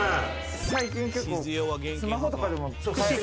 最近結構スマホとかでも。